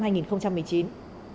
tiếp tục chương trình